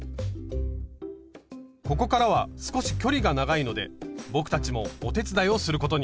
ここからは少し距離が長いので僕たちもお手伝いをすることに。